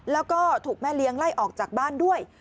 แล้วก็ถูกแม่เลี้ยงไล่ออกจากบ้านด้วย